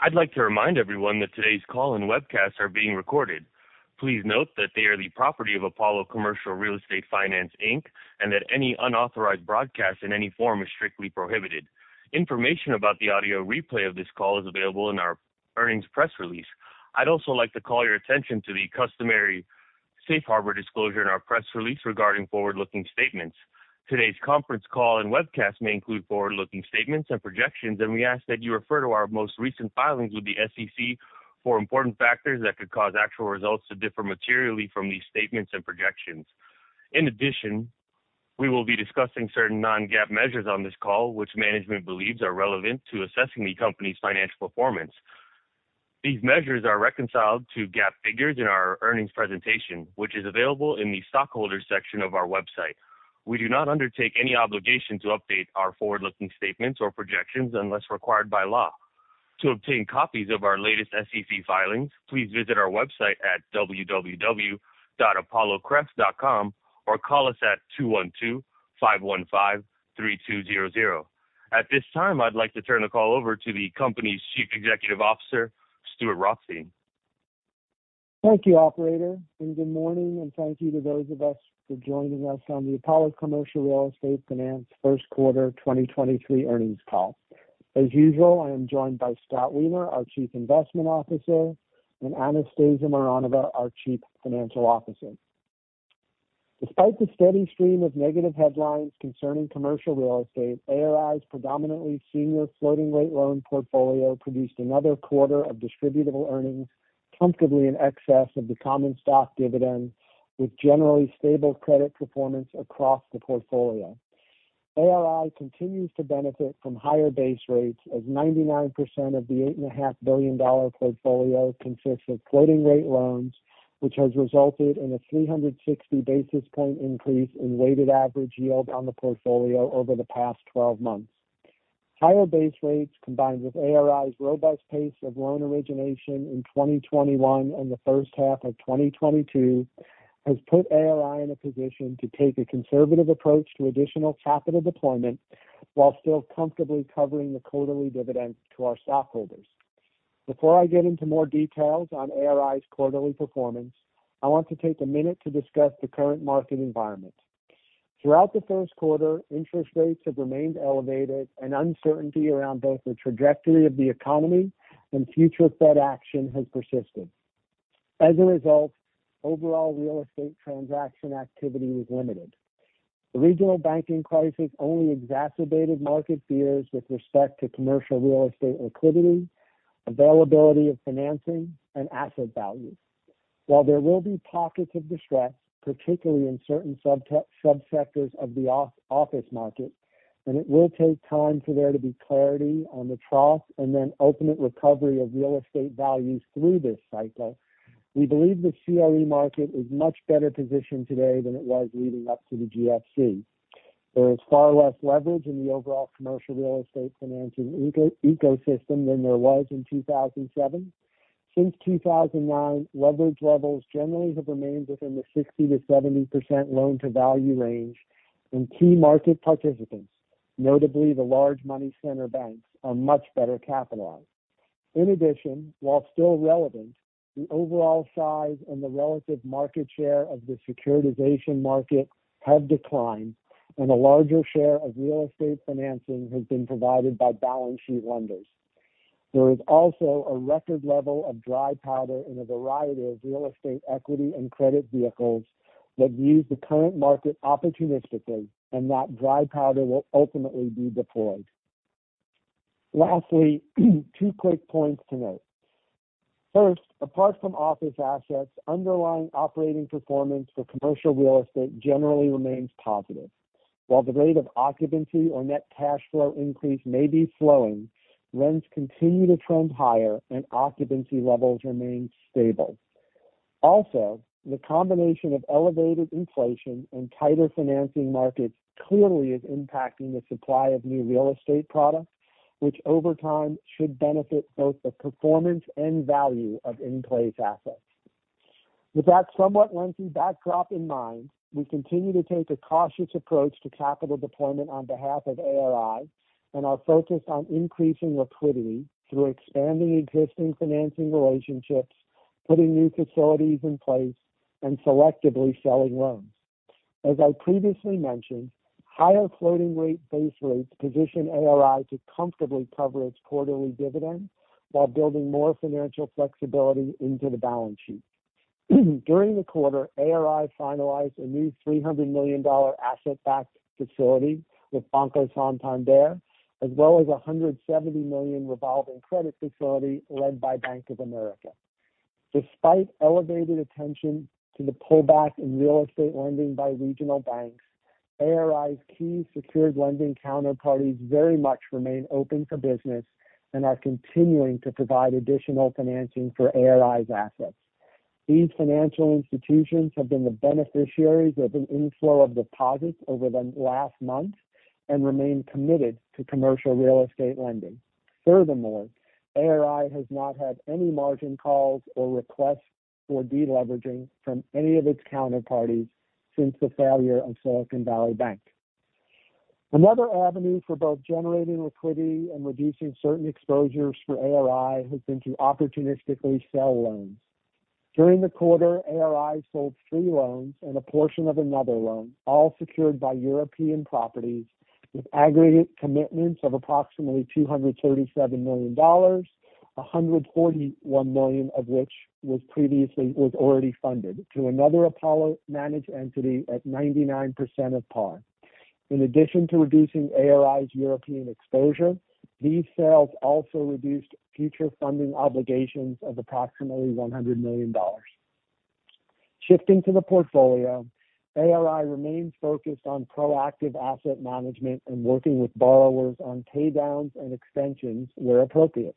I'd like to remind everyone that today's call and webcast are being recorded. Please note that they are the property of Apollo Commercial Real Estate Finance, Inc. That any unauthorized broadcast in any form is strictly prohibited. Information about the audio replay of this call is available in our earnings press release. I'd also like to call your attention to the customary safe harbor disclosure in our press release regarding forward-looking statements. Today's conference call and webcast may include forward-looking statements and projections, and we ask that you refer to our most recent filings with the SEC for important factors that could cause actual results to differ materially from these statements and projections. In addition, we will be discussing certain non-GAAP measures on this call, which management believes are relevant to assessing the company's financial performance. These measures are reconciled to GAAP figures in our earnings presentation, which is available in the Shareholders section of our website. We do not undertake any obligation to update our forward-looking statements or projections unless required by law. To obtain copies of our latest SEC filings, please visit our website at www.apollocref.com or call us at 212-515-3200. At this time, I'd like to turn the call over to the company's Chief Executive Officer, Stuart Rothstein. Thank you, operator, good morning and thank you to those of us for joining us on the Apollo Commercial Real Estate Finance 1st quarter 2023 earnings call. As usual, I am joined by Scott Weiner, our Chief Investment Officer, and Anastasia Mironova, our Chief Financial Officer. Despite the steady stream of negative headlines concerning commercial real estate, ARI's predominantly senior floating rate loan portfolio produced another quarter of distributable earnings comfortably in excess of the common stock dividend, with generally stable credit performance across the portfolio. ARI continues to benefit from higher base rates as 99% of the $8.5 billion portfolio consists of floating rate loans, which has resulted in a 360 basis point increase in weighted average yield on the portfolio over the past 12 months. Higher base rates, combined with ARI's robust pace of loan origination in 2021 and the first half of 2022, has put ARI in a position to take a conservative approach to additional capital deployment while still comfortably covering the quarterly dividend to our stockholders. Before I get into more details on ARI's quarterly performance, I want to take a minute to discuss the current market environment. Throughout the first quarter, interest rates have remained elevated and uncertainty around both the trajectory of the economy and future Fed action has persisted. As a result, overall commercial real estate transaction activity was limited. The regional banking crisis only exacerbated market fears with respect to commercial real estate liquidity, availability of financing, and asset value. While there will be pockets of distress, particularly in certain subsectors of the office market, and it will take time for there to be clarity on the trough and then ultimate recovery of real estate values through this cycle, we believe the CRE market is much better positioned today than it was leading up to the GFC. There is far less leverage in the overall commercial real estate financing ecosystem than there was in 2007. Since 2009, leverage levels generally have remained within the 60%-70% loan-to-value range, and key market participants, notably the large money center banks, are much better capitalized. In addition, while still relevant, the overall size and the relative market share of the securitization market have declined, and a larger share of real estate financing has been provided by balance sheet lenders. There is also a record level of dry powder in a variety of real estate equity and credit vehicles that view the current market opportunistically. That dry powder will ultimately be deployed. Lastly, 2 quick points to note. First, apart from office assets, underlying operating performance for commercial real estate generally remains positive. While the rate of occupancy or net cash flow increase may be slowing, rents continue to trend higher and occupancy levels remain stable. The combination of elevated inflation and tighter financing markets clearly is impacting the supply of new real estate product, which over time should benefit both the performance and value of in-place assets. With that somewhat lengthy backdrop in mind, we continue to take a cautious approach to capital deployment on behalf of ARI and are focused on increasing liquidity through expanding existing financing relationships, putting new facilities in place, and selectively selling loans. As I previously mentioned, higher floating rate base rates position ARI to comfortably cover its quarterly dividend while building more financial flexibility into the balance sheet. During the quarter, ARI finalized a new $300 million asset-backed facility with Banco Santander, as well as a $170 million revolving credit facility led by Bank of America. Despite elevated attention to the pullback in real estate lending by regional banks, ARI's key secured lending counterparties very much remain open for business and are continuing to provide additional financing for ARI's assets. These financial institutions have been the beneficiaries of an inflow of deposits over the last month and remain committed to commercial real estate lending. ARI has not had any margin calls or requests for deleveraging from any of its counterparties since the failure of Silicon Valley Bank. Another avenue for both generating liquidity and reducing certain exposures for ARI has been to opportunistically sell loans. During the quarter, ARI sold three loans and a portion of another loan, all secured by European properties with aggregate commitments of approximately $237 million, $141 million of which was already funded to another Apollo managed entity at 99% of par. In addition to reducing ARI's European exposure, these sales also reduced future funding obligations of approximately $100 million. Shifting to the portfolio, ARI remains focused on proactive asset management and working with borrowers on pay downs and extensions where appropriate.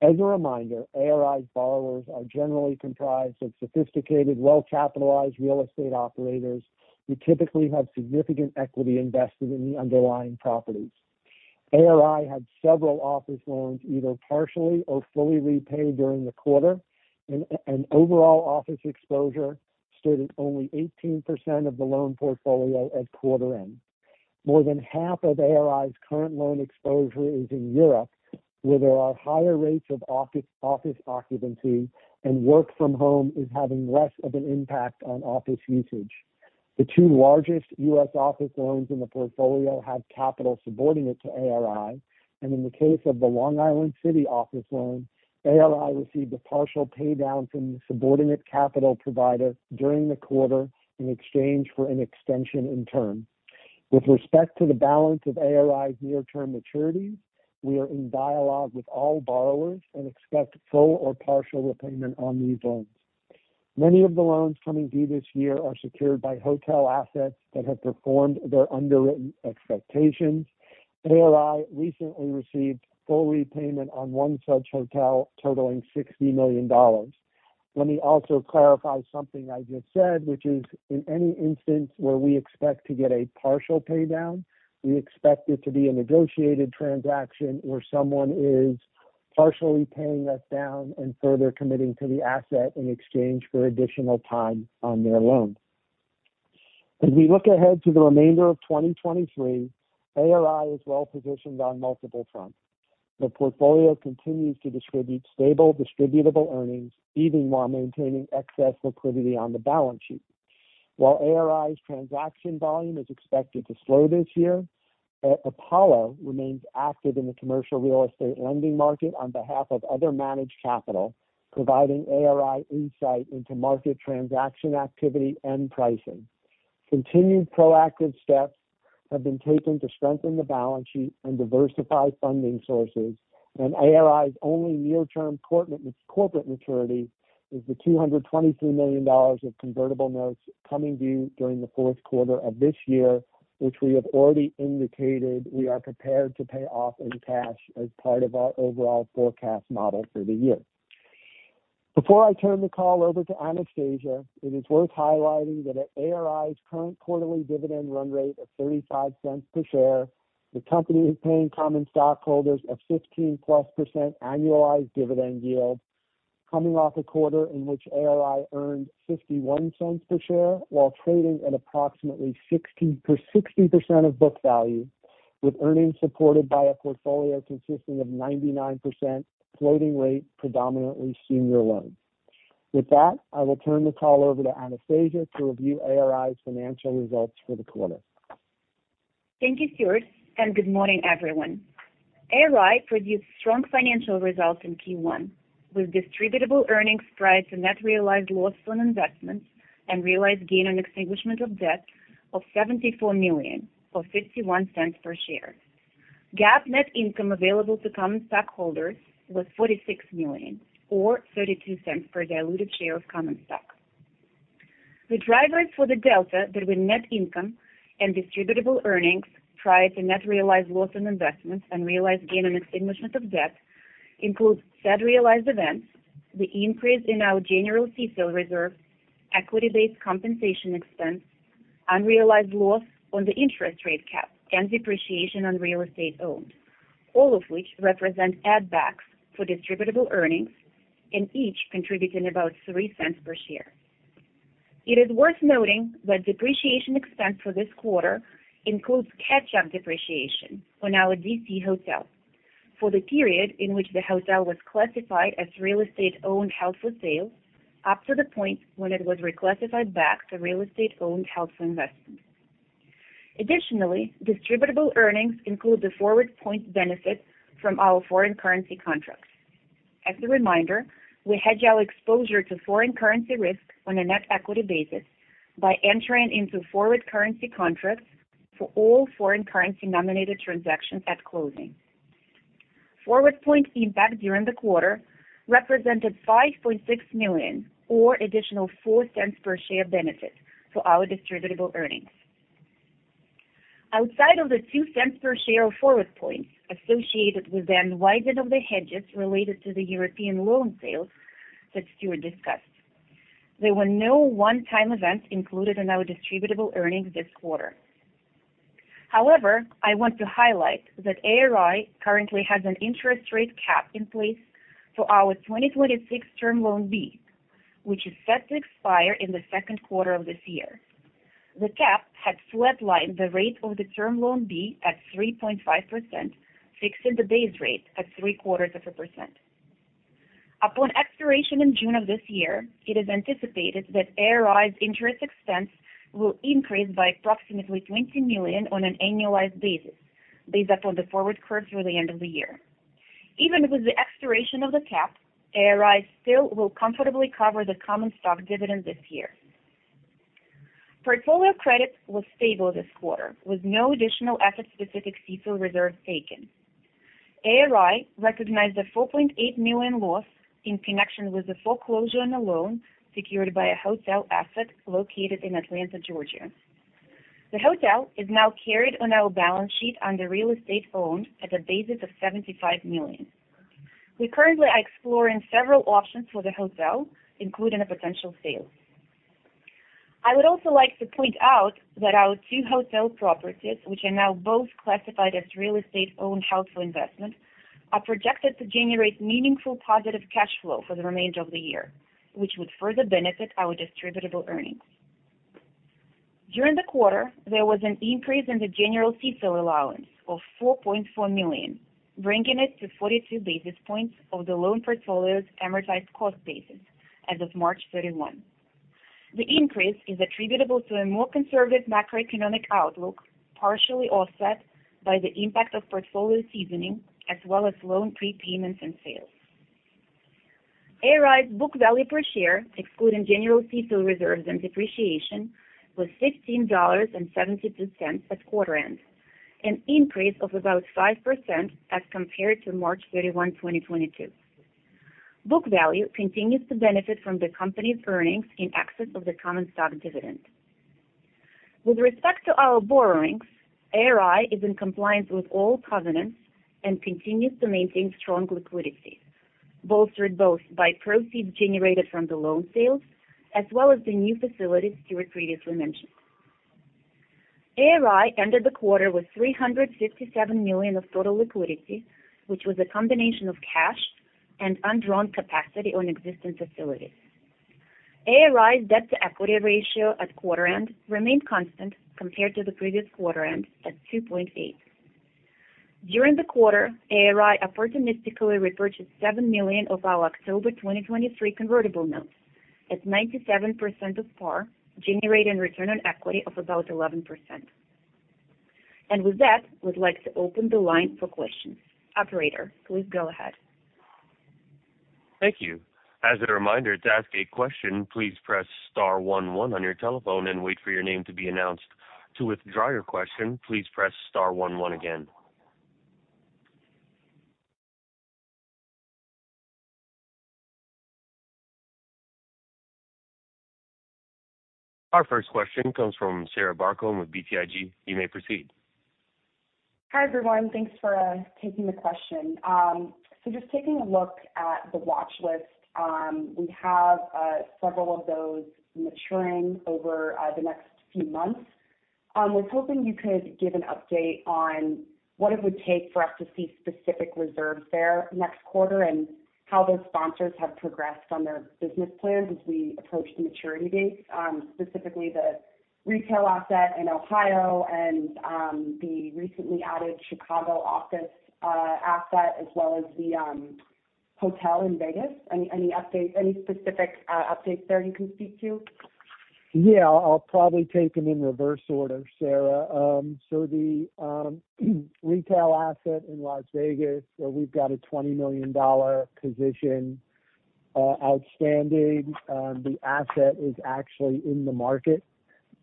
As a reminder, ARI's borrowers are generally comprised of sophisticated, well-capitalized real estate operators who typically have significant equity invested in the underlying properties. ARI had several office loans either partially or fully repaid during the quarter, and overall office exposure stood at only 18% of the loan portfolio at quarter end. More than half of ARI's current loan exposure is in Europe, where there are higher rates of office occupancy and work from home is having less of an impact on office usage. The two largest U.S. office loans in the portfolio have capital subordinate to ARI, and in the case of the Long Island City office loan, ARI received a partial pay down from the subordinate capital provider during the quarter in exchange for an extension in term. With respect to the balance of ARI's near-term maturities, we are in dialogue with all borrowers and expect full or partial repayment on these loans. Many of the loans coming due this year are secured by hotel assets that have performed their underwritten expectations. ARI recently received full repayment on one such hotel totaling $60 million. Let me also clarify something I just said, which is in any instance where we expect to get a partial pay down, we expect it to be a negotiated transaction where someone is partially paying us down and further committing to the asset in exchange for additional time on their loan. As we look ahead to the remainder of 2023, ARI is well positioned on multiple fronts. The portfolio continues to distribute stable distributable earnings, even while maintaining excess liquidity on the balance sheet. While ARI's transaction volume is expected to slow this year, Apollo remains active in the commercial real estate lending market on behalf of other managed capital, providing ARI insight into market transaction activity and pricing. Continued proactive steps have been taken to strengthen the balance sheet and diversify funding sources. ARI's only near-term corporate maturity is the $223 million of convertible notes coming due during the fourth quarter of this year, which we have already indicated we are prepared to pay off in cash as part of our overall forecast model for the year. Before I turn the call over to Anastasia, it is worth highlighting that at ARI's current quarterly dividend run rate of $0.35 per share, the company is paying common stockholders a 15%+ annualized dividend yield, coming off a quarter in which ARI earned $0.51 per share while trading at approximately 60% of book value, with earnings supported by a portfolio consisting of 99% floating rate predominantly senior loans. With that, I will turn the call over to Anastasia to review ARI's financial results for the quarter. Thank you, Stuart, and good morning, everyone. ARI produced strong financial results in Q1, with Distributable Earnings prior to net realized loss on investments and realized gain on extinguishment of debt of $74 million, or $0.51 per share. GAAP net income available to common stockholders was $46 million, or $0.32 per diluted share of common stock. The drivers for the delta between net income and distributable Earnings prior to net realized loss on investments and realized gain on extinguishment of debt includes Fed realized events, the increase in our general CECL reserve, equity-based compensation expense, unrealized loss on the interest rate cap, and depreciation on real estate owned, all of which represent add backs for distributable earnings and each contributing about $0.03 per share. It is worth noting that depreciation expense for this quarter includes catch-up depreciation on our D.C. hotel for the period in which the hotel was classified as real estate owned, held for sale up to the point when it was reclassified back to real estate owned, held for investment. Additionally, distributable earnings include the forward point benefit from our foreign currency contracts. As a reminder, we hedge our exposure to foreign currency risk on a net equity basis by entering into forward currency contracts for all foreign currency nominated transactions at closing. Forward point impact during the quarter represented $5.6 million or additional $0.04 per share benefit to our distributable earnings. Outside of the $0.02 per share of forward points associated with the unwinding of the hedges related to the European loan sales that Stuart discussed. There were no one-time events included in our distributable earnings this quarter. I want to highlight that ARI currently has an interest rate cap in place for our 2026 Term Loan B, which is set to expire in the second quarter of this year. The cap had flatlined the rate of the Term Loan B at 3.5%, fixing the base rate at 0.75%. Upon expiration in June of this year, it is anticipated that ARI's interest expense will increase by approximately $20 million on an annualized basis based upon the forward curve through the end of the year. Even with the expiration of the cap, ARI still will comfortably cover the common stock dividend this year. Portfolio credit was stable this quarter, with no additional asset-specific CECL reserves taken. ARI recognized a $4.8 million loss in connection with the foreclosure on a loan secured by a hotel asset located in Atlanta, Georgia. The hotel is now carried on our balance sheet under real estate owned at a basis of $75 million. We currently are exploring several options for the hotel, including a potential sale. I would also like to point out that our two hotel properties, which are now both classified as real estate owned, held for investment, are projected to generate meaningful positive cash flow for the remainder of the year, which would further benefit our distributable earnings. During the quarter, there was an increase in the general CECL allowance of $4.4 million, bringing it to 42 basis points of the loan portfolio's amortized cost basis as of March 31. The increase is attributable to a more conservative macroeconomic outlook, partially offset by the impact of portfolio seasoning as well as loan prepayments and sales. ARI's book value per share, excluding general CECL reserves and depreciation, was $16.72 at quarter end, an increase of about 5% as compared to March 31, 2022. Book value continues to benefit from the company's earnings in excess of the common stock dividend. With respect to our borrowings, ARI is in compliance with all covenants and continues to maintain strong liquidity, bolstered both by proceeds generated from the loan sales as well as the new facilities Stuart previously mentioned. ARI ended the quarter with $357 million of total liquidity, which was a combination of cash and undrawn capacity on existing facilities. ARI's debt-to-equity ratio at quarter end remained constant compared to the previous quarter end at 2.8. During the quarter, ARI opportunistically repurchased $7 million of our October 2023 convertible notes at 97% of par, generating return on equity of about 11%. With that, we'd like to open the line for questions. Operator, please go ahead. Thank you. As a reminder, to ask a question, please press star one one on your telephone and wait for your name to be announced. To withdraw your question, please press star one one again. Our first question comes from Sarah Barcomb with BTIG. You may proceed. Hi, everyone. Thanks for taking the question. Just taking a look at the watch list, we have several of those maturing over the next few months. Was hoping you could give an update on what it would take for us to see specific reserves there next quarter and how those sponsors have progressed on their business plans as we approach the maturity dates, specifically the retail asset in Ohio and the recently added Chicago office asset, as well as the hotel in Vegas. Any updates, any specific updates there you can speak to? I'll probably take them in reverse order, Sarah. The retail asset in Las Vegas, where we've got a $20 million position outstanding, the asset is actually in the market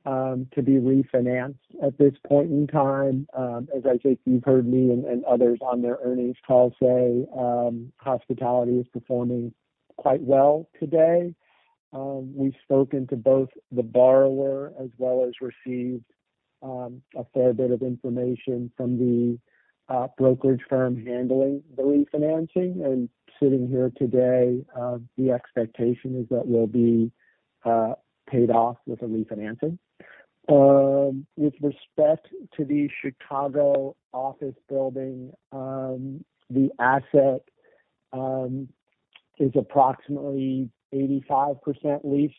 to be refinanced at this point in time. As I think you've heard me and others on their earnings call say, hospitality is performing quite well today. We've spoken to both the borrower as well as received a fair bit of information from the brokerage firm handling the refinancing. Sitting here today, the expectation is that we'll be paid off with a refinancing. With respect to the Chicago office building, the asset is approximately 85% leased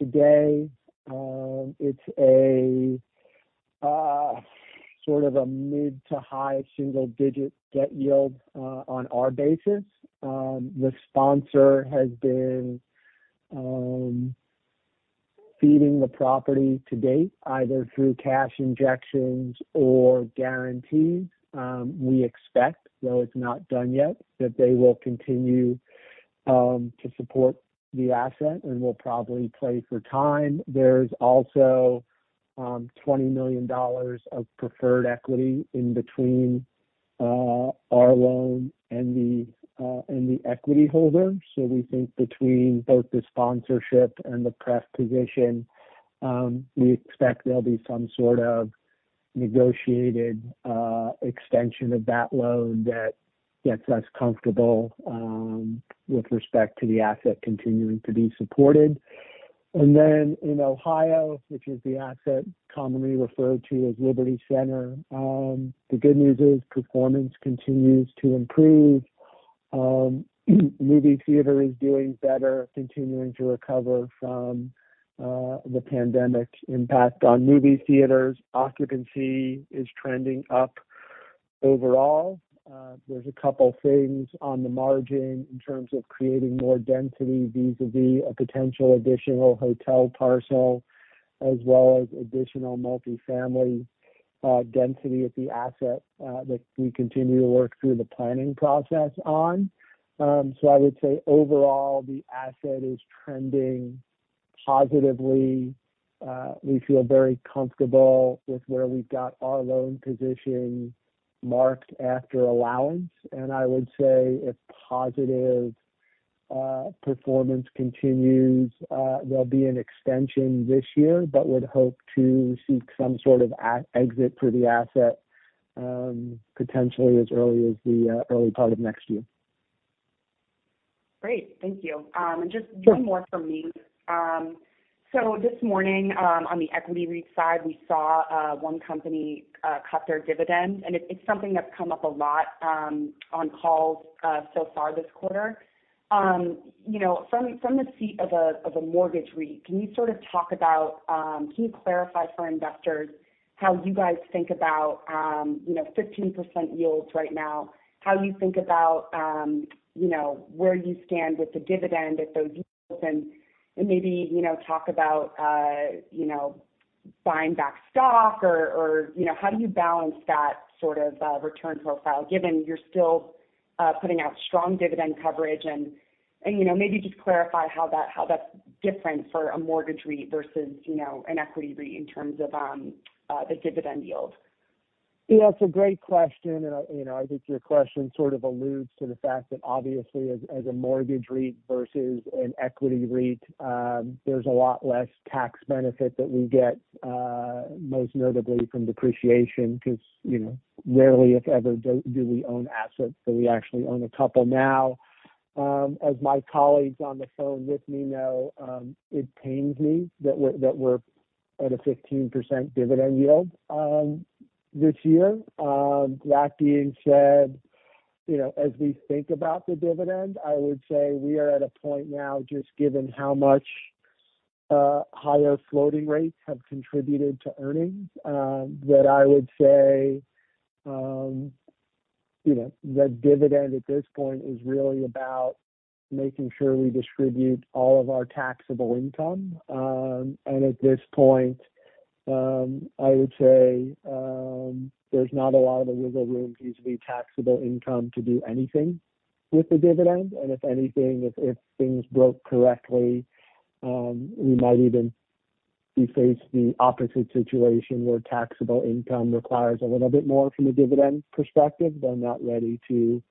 today. It's a sort of a mid to high single-digit debt yield on our basis. The sponsor has been feeding the property to date, either through cash injections or guarantees. We expect, though it's not done yet, that they will continue to support the asset, and we'll probably play for time. There's also $20 million of preferred equity in between our loan and the equity holder. We think between both the sponsorship and the pref position, we expect there'll be some sort of negotiated extension of that loan that gets us comfortable with respect to the asset continuing to be supported. In Ohio, which is the asset commonly referred to as Liberty Center, the good news is performance continues to improve. Movie theater is doing better, continuing to recover from the pandemic impact on movie theaters. Occupancy is trending up overall. There's a couple things on the margin in terms of creating more density, vis-à-vis a potential additional hotel parcel as well as additional multi-family density at the asset that we continue to work through the planning process on. I would say overall the asset is trending positively. We feel very comfortable with where we've got our loan position marked after allowance. And I would say if positive performance continues, there'll be an extension this year, but would hope to seek some sort of an exit for the asset potentially as early as the early part of next year. Great. Thank you. Sure. One more from me. This morning, on the equity REIT side, we saw one company cut their dividend, and it's something that's come up a lot on calls so far this quarter. You know, from the seat of a mortgage REIT, can you sort of talk about, can you clarify for investors how you guys think about, you know, 15% yields right now, how you think about, you know, where you stand with the dividend at those yields and maybe, you know, talk about, you know, buying back stock or, you know, how do you balance that sort of return profile given you're still putting out strong dividend coverage? You know, maybe just clarify how that's different for a mortgage REIT versus, you know, an equity REIT in terms of the dividend yield. You know, it's a great question. You know, I think your question sort of alludes to the fact that obviously as a mortgage REIT versus an equity REIT, there's a lot less tax benefit that we get, most notably from depreciation 'cause, you know, rarely, if ever, do we own assets, but we actually own a couple now. As my colleagues on the phone with me know, it pains me that we're at a 15% dividend yield this year. That being said, you know, as we think about the dividend, I would say we are at a point now just given how much higher floating rates have contributed to earnings, that I would say, you know, the dividend at this point is really about making sure we distribute all of our taxable income. At this point, I would say, there's not a lot of wiggle room vis-à-vis taxable income to do anything with the dividend. If anything, if things broke correctly, we might even be faced the opposite situation where taxable income requires a little bit more from a dividend perspective. I'm not ready to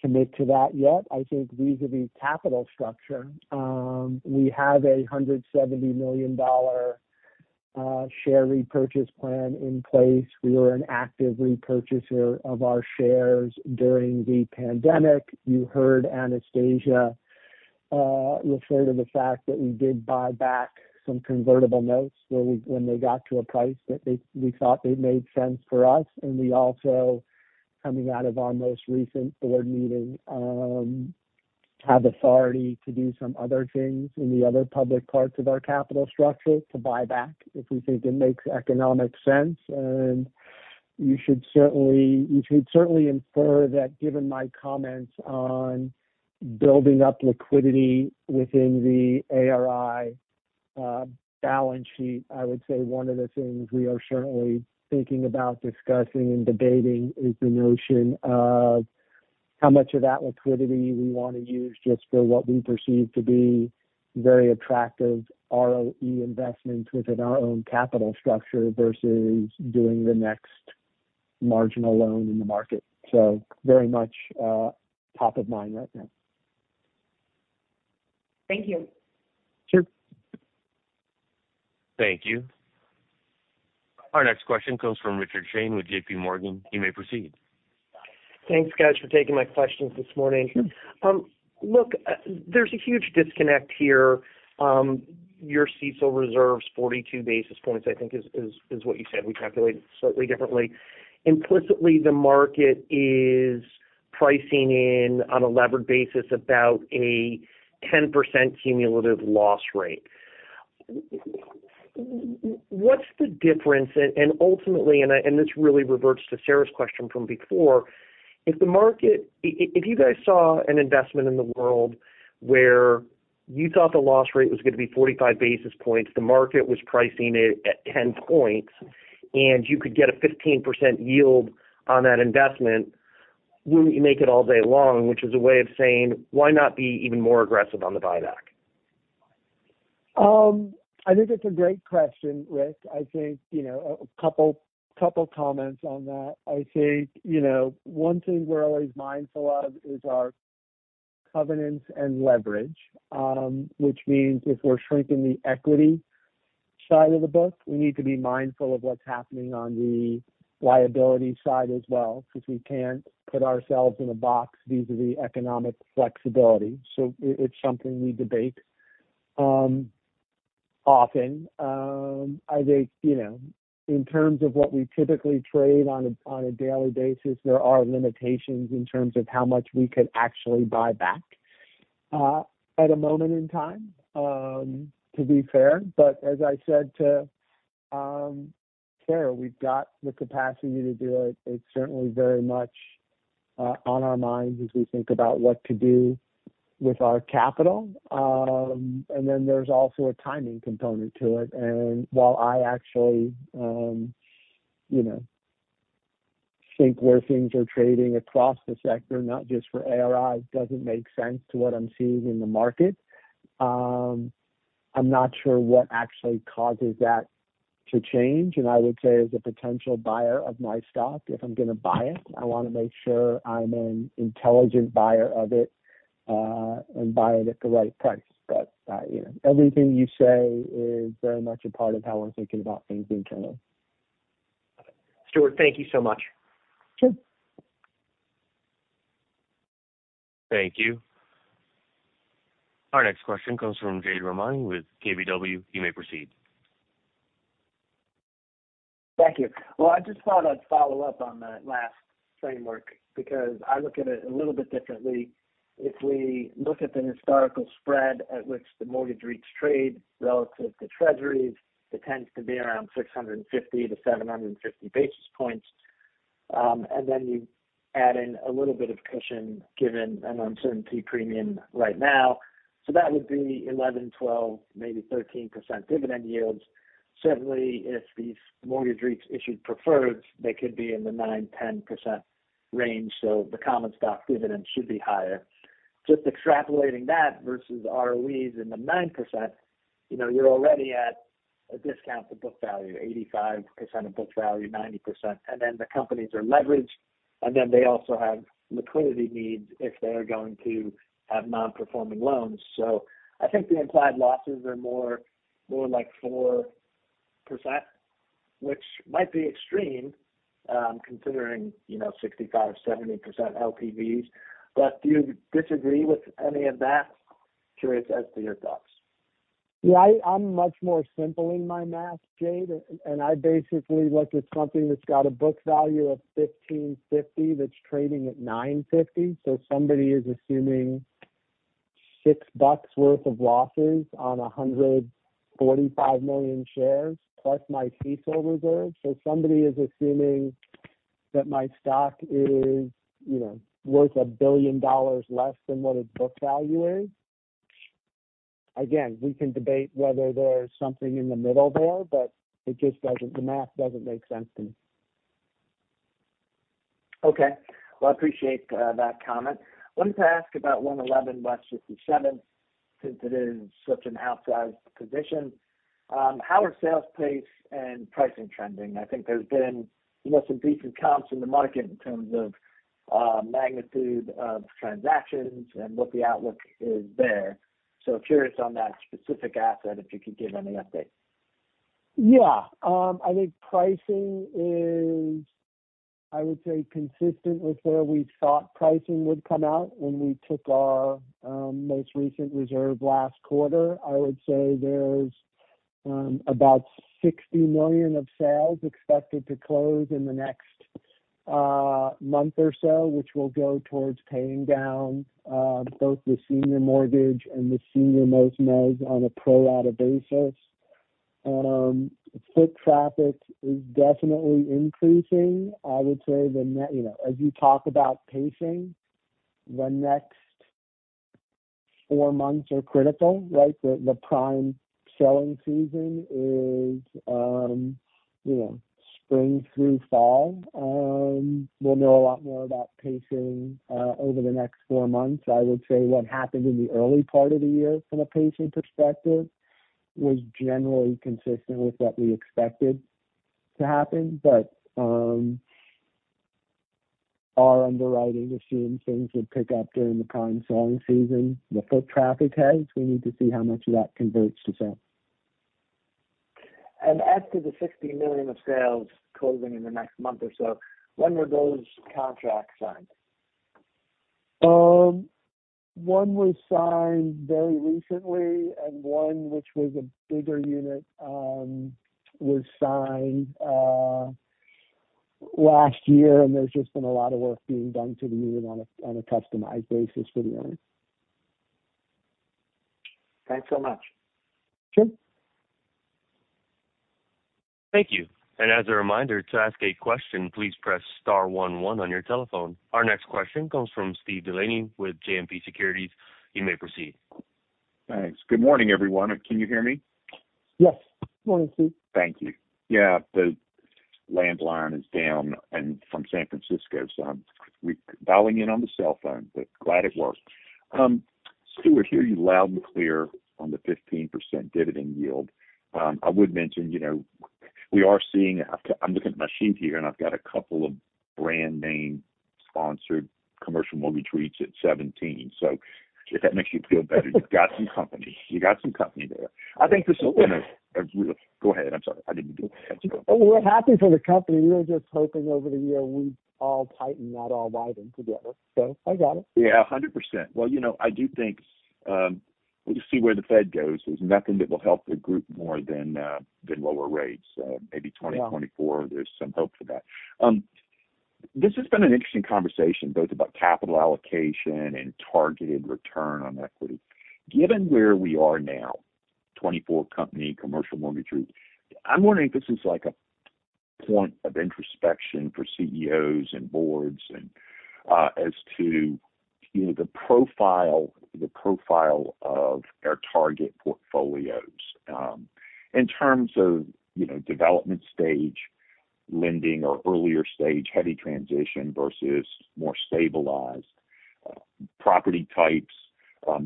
commit to that yet. I think vis-à-vis capital structure, we have a $170 million share repurchase plan in place. We were an active repurchaser of our shares during the pandemic. You heard Anastasia refer to the fact that we did buy back some convertible notes when they got to a price that we thought they made sense for us. We also, coming out of our most recent board meeting, have authority to do some other things in the other public parts of our capital structure to buy back if we think it makes economic sense. You should certainly infer that given my comments on building up liquidity within the ARI balance sheet, I would say one of the things we are certainly thinking about discussing and debating is the notion of how much of that liquidity we wanna use just for what we perceive to be very attractive ROE investments within our own capital structure versus doing the next marginal loan in the market. Very much top of mind right now. Thank you. Sure. Thank you. Our next question comes from Richard Shane with JPMorgan. You may proceed. Thanks guys for taking my questions this morning. Sure. There's a huge disconnect here. Your CECL reserves 42 basis points, I think is what you said. We calculate it slightly differently. Implicitly, the market is pricing in on a levered basis about a 10% cumulative loss rate. What's the difference? Ultimately, this really reverts to Sarah's question from before, if the market... If you guys saw an investment in the world where you thought the loss rate was gonna be 45 basis points, the market was pricing it at 10 points, and you could get a 15% yield on that investment, wouldn't you make it all day long? Which is a way of saying why not be even more aggressive on the buyback? I think it's a great question, Rick. I think, you know, a couple comments on that. I think, you know, one thing we're always mindful of is our covenants and leverage, which means if we're shrinking the equity side of the book. We need to be mindful of what's happening on the liability side as well, because we can't put ourselves in a box vis-a-vis economic flexibility. It's something we debate often. I think, you know, in terms of what we typically trade on a daily basis, there are limitations in terms of how much we could actually buy back at a moment in time to be fair. As I said to Sarah, we've got the capacity to do it. It's certainly very much on our minds as we think about what to do with our capital. Then there's also a timing component to it. While I actually, you know, think where things are trading across the sector, not just for ARI, doesn't make sense to what I'm seeing in the market, I'm not sure what actually causes that to change. I would say as a potential buyer of my stock, if I'm gonna buy it, I wanna make sure I'm an intelligent buyer of it, and buy it at the right price. You know, everything you say is very much a part of how we're thinking about things internally. Stuart, thank you so much. Sure. Thank you. Our next question comes from Jade Rahmani with KBW. You may proceed. Thank you. Well, I just thought I'd follow up on that last framework because I look at it a little bit differently. If we look at the historical spread at which the mortgage REITs trade relative to Treasuries, it tends to be around 650 to 750 basis points. Then you add in a little bit of cushion given an uncertainty premium right now. That would be 11%, 12%, maybe 13% dividend yields. Certainly, if these mortgage REITs issued preferreds, they could be in the 9%-10% range. The common stock dividends should be higher. Just extrapolating that versus ROEs in the 9%, you know, you're already at a discount to book value, 85% of book value, 90%. The companies are leveraged, they also have liquidity needs if they are going to have non-performing loans. I think the implied losses are more like 4%, which might be extreme, considering, you know, 65%-70% LTVs. Do you disagree with any of that? Curious as to your thoughts. I'm much more simple in my math, Jade. I basically look at something that's got a book value of $15.50 that's trading at $9.50. Somebody is assuming $6 worth of losses on 145 million shares, plus my TSO reserve. Somebody is assuming that my stock is, you know, worth $1 billion less than what its book value is. Again, we can debate whether there's something in the middle there, but the math doesn't make sense to me. Okay. Well, I appreciate that comment. Wanted to ask about One Eleven West 57th, since it is such an outsized position. How are sales pace and pricing trending? I think there's been, you know, some decent comps in the market in terms of magnitude of transactions and what the outlook is there. Curious on that specific asset, if you could give any update. Yeah. I think pricing is, I would say, consistent with where we thought pricing would come out when we took our most recent reserve last quarter. I would say there's about $60 million of sales expected to close in the next month or so, which will go towards paying down both the senior mortgage and the senior most mezz on a pro rata basis. Foot traffic is definitely increasing. I would say, you know, as you talk about pacing, the next 4 months are critical, right? The prime selling season is, you know, spring through fall. We'll know a lot more about pacing over the next 4 months. I would say what happened in the early part of the year from a pacing perspective was generally consistent with what we expected to happen. Our underwriting assumed things would pick up during the prime selling season. The foot traffic has. We need to see how much of that converts to sales. As to the $60 million of sales closing in the next month or so, when were those contracts signed? one was signed very recently, and one, which was a bigger unit, was signed, last year, and there's just been a lot of work being done to the unit on a customized basis for the owner. Thanks so much. Sure. Thank you. As a reminder, to ask a question, please press star one one on your telephone. Our next question comes from Steve DeLaney with JMP Securities. You may proceed. Thanks. Good morning, everyone. Can you hear me? Yes. Good morning, Steve. Thank you. Yeah, the landline is down from San Francisco, so I'm dialing in on the cell phone, but glad it works. Stuart, hear you loud and clear on the 15% dividend yield. I would mention, you know, I'm looking at my sheet here, and I've got a couple of brand name sponsored commercial mortgage REITs at 17%. If that makes you feel better, you got some company. You got some company there. I think this will win a. Oh, we're- Go ahead. I'm sorry. I didn't mean to cut you off. Oh, we're happy for the company. We were just hoping over the year we all tighten, not all widen together. I got it. Yeah, 100%. Well, you know, I do think, we'll see where the Fed goes. There's nothing that will help the group more than lower rates. Maybe. Yeah... 2024, there's some hope for that. This has been an interesting conversation both about capital allocation and targeted return on equity. Given where we are now, 24 company commercial mortgage REITs, I'm wondering if this is like a point of introspection for CEOs and boards as to, you know, the profile of our target portfolios, in terms of, you know, development stage lending or earlier stage, heavy transition versus more stabilized property types,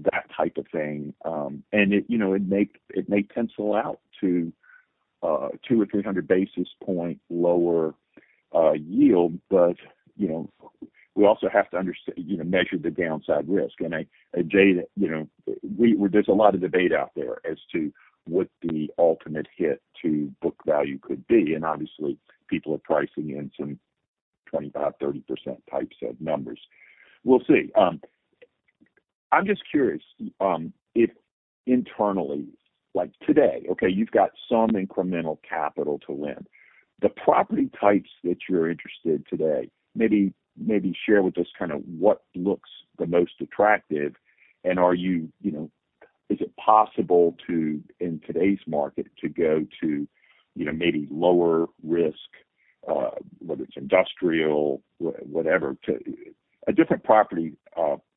that type of thing. And it, you know, it may, it may pencil out to 200 or 300 basis point lower yield. But, you know, we also have to you know, measure the downside risk. Jay, you know, there's a lot of debate out there as to what the ultimate hit to book value could be, and obviously people are pricing in some 25%, 30% types of numbers. We'll see. I'm just curious if internally, like today, okay, you've got some incremental capital to lend. The property types that you're interested today, maybe share with us kind of what looks the most attractive. Are you know, is it possible to, in today's market, to go to, you know, maybe lower risk, whether it's industrial, whatever, to a different property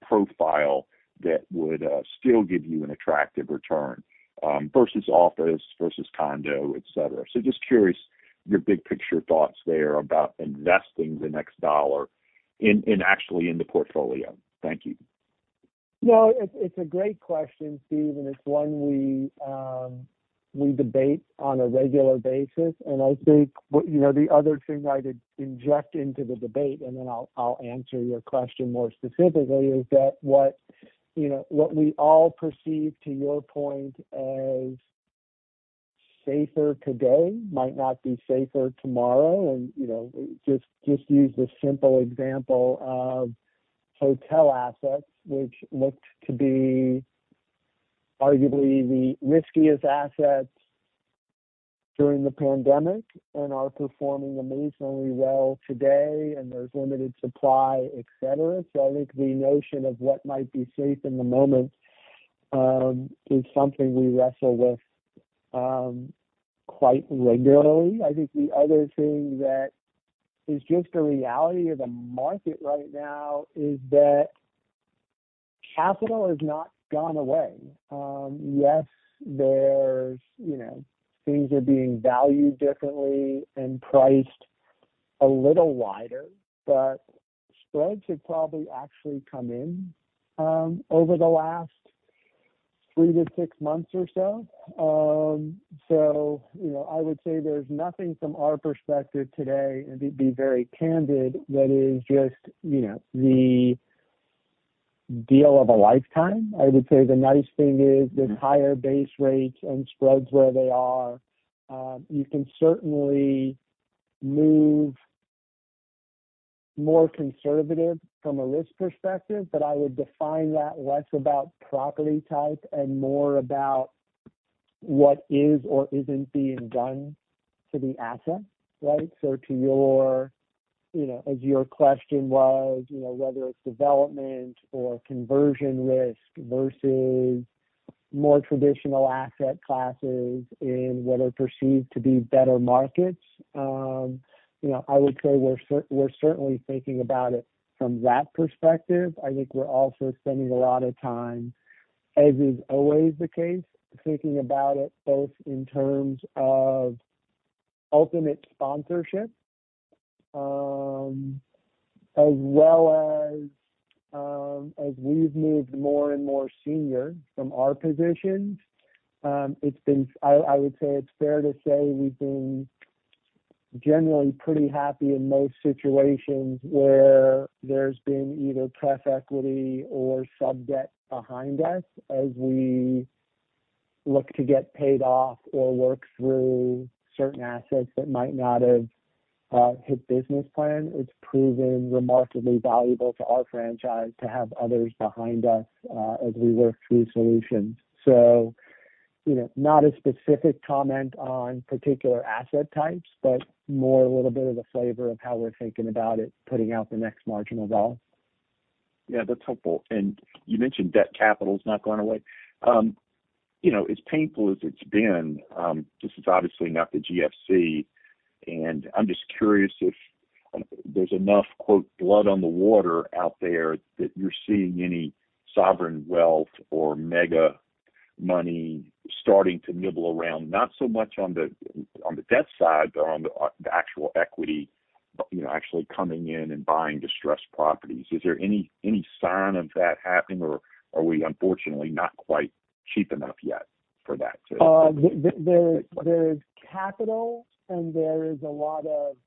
profile that would still give you an attractive return versus office, versus condo, et cetera. Just curious your big picture thoughts there about investing the next dollar in actually in the portfolio. Thank you. No, it's a great question, Steve, and it's one we debate on a regular basis. I think what, you know, the other thing I'd inject into the debate, and then I'll answer your question more specifically, is that what, you know, what we all perceive to your point as safer today might not be safer tomorrow. You know, just use the simple example of hotel assets, which looked to be arguably the riskiest assets during the pandemic and are performing amazingly well today, and there's limited supply, et cetera. I think the notion of what might be safe in the moment is something we wrestle with quite regularly. I think the other thing that is just a reality of the market right now is that capital has not gone away. Yes, there's, you know, things are being valued differently and priced a little wider, but spreads have probably actually come in over the last three to six months or so. You know, I would say there's nothing from our perspective today, and to be very candid, that is just, you know, the deal of a lifetime. I would say the nice thing is with higher base rates and spreads where they are, you can certainly move more conservative from a risk perspective, but I would define that less about property type and more about what is or isn't being done to the asset, right? To your, you know, as your question was, you know, whether it's development or conversion risk versus more traditional asset classes in what are perceived to be better markets, you know, I would say we're certainly thinking about it from that perspective. I think we're also spending a lot of time, as is always the case, thinking about it both in terms of ultimate sponsorship, as well as we've moved more and more senior from our positions, it's been, I would say it's fair to say we've been generally pretty happy in most situations where there's been either pref equity or sub-debt behind us as we look to get paid off or work through certain assets that might not have hit business plan. It's proven remarkably valuable to our franchise to have others behind us, as we work through solutions. You know, not a specific comment on particular asset types, but more a little bit of the flavor of how we're thinking about it, putting out the next margin of all. Yeah, that's helpful. You mentioned debt capital is not going away. You know, as painful as it's been, this is obviously not the GFC. I'm just curious if there's enough, quote, blood on the water out there that you're seeing any sovereign wealth or mega money starting to nibble around, not so much on the, on the debt side, but on the actual equity, you know, actually coming in and buying distressed properties. Is there any sign of that happening or are we unfortunately not quite cheap enough yet for that to. There's capital and there is a lot of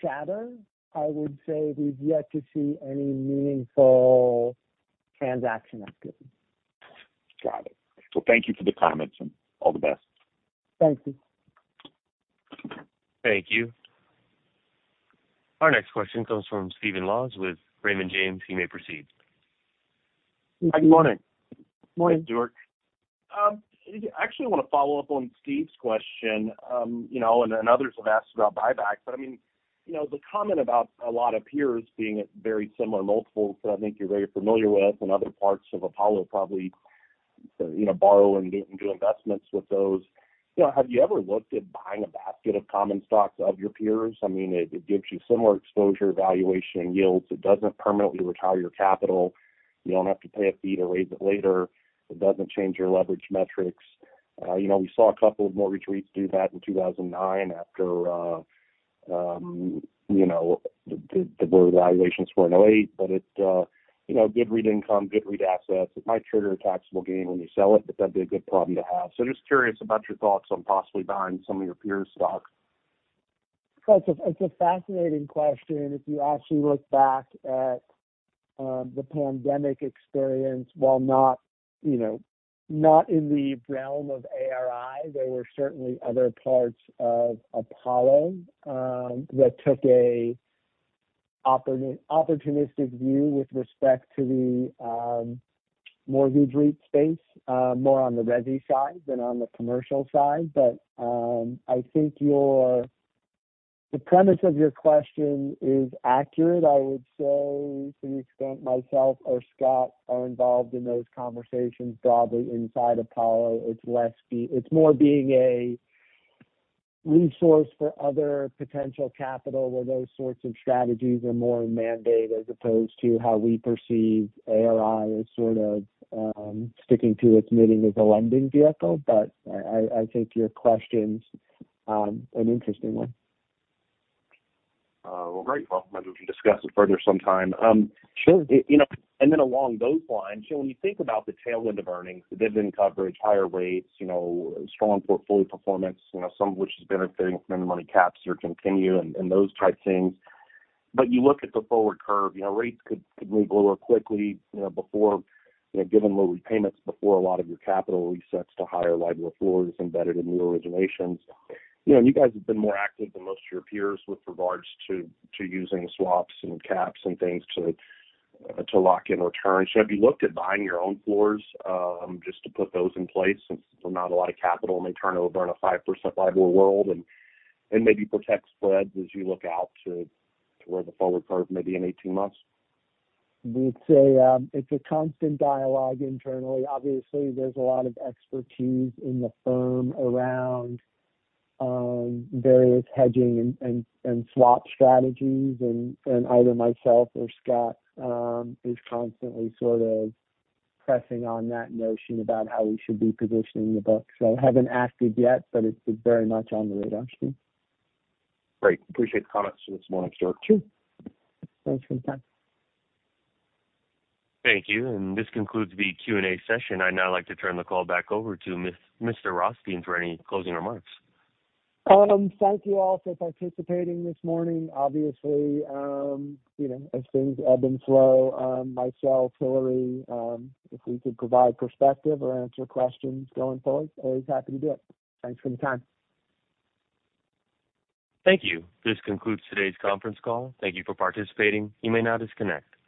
chatter. I would say we've yet to see any meaningful transaction activity. Got it. Well, thank you for the comments and all the best. Thank you. Thank you. Our next question comes from Stephen Laws with Raymond James. You may proceed. Good morning. Morning. Stuart. Actually, I wanna follow up on Stephen's question, you know, and others have asked about buybacks. I mean, you know, the comment about a lot of peers being at very similar multiples that I think you're very familiar with and other parts of Apollo probably, you know, borrow and do investments with those. You know, have you ever looked at buying a basket of common stocks of your peers? I mean, it gives you similar exposure, valuation, yields. It doesn't permanently retire your capital. You don't have to pay a fee to raise it later. It doesn't change your leverage metrics. You know, we saw a couple of mortgage REITs do that in 2009 after, you know, the, the valuations were in 2008. It, you know, good REIT income, good REIT assets. It might trigger a taxable gain when you sell it, but that'd be a good problem to have. Just curious about your thoughts on possibly buying some of your peers' stocks. That's a fascinating question. If you actually look back at the pandemic experience, while not, you know, not in the realm of ARI, there were certainly other parts of Apollo that took a opportunistic view with respect to the mortgage REIT space, more on the resi side than on the commercial side. The premise of your question is accurate. I would say to an extent myself or Scott are involved in those conversations broadly inside Apollo. It's more being a resource for other potential capital where those sorts of strategies are more mandate as opposed to how we perceive ARI as sort of sticking to its meeting as a lending vehicle. I think your question's an interesting one. Well, very welcome, and we can discuss it further sometime. Sure. You know, along those lines, you know, when you think about the tailwind of earnings, the dividend coverage, higher rates, you know, strong portfolio performance, you know, some of which is benefiting from any money caps or continue and those type things. But you look at the forward curve, you know, rates could significantly go up quickly, you know, before, you know, given low repayments before a lot of your capital resets to higher LIBOR floors embedded in new originations. You know, you guys have been more active than most of your peers with regards to using swaps and caps and things to lock in returns. Have you looked at buying your own floors, just to put those in place since they're not a lot of capital and then turn it over in a 5% LIBOR world and maybe protect spreads as you look out to where the forward curve may be in 18 months? We'd say, it's a constant dialogue internally. Obviously, there's a lot of expertise in the firm around various hedging and swap strategies and either myself or Scott is constantly sort of pressing on that notion about how we should be positioning the book. Haven't acted yet, but it's very much on the radar, Steve. Great. Appreciate the comments this morning, Stuart. Sure. Thanks for your time. Thank you. This concludes the Q&A session. I'd now like to turn the call back over to Mr. Rothstein for any closing remarks. Thank you all for participating this morning. Obviously, you know, as things ebb and flow, myself, Hillary, if we could provide perspective or answer questions going forward, always happy to do it. Thanks for the time. Thank you. This concludes today's conference call. Thank you for participating. You may now disconnect.